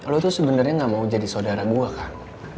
lo tuh sebenarnya gak mau jadi saudara gue kan